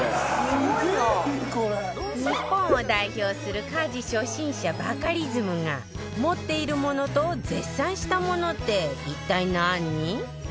日本を代表する家事初心者バカリズムが持っているものと絶賛したものって一体何？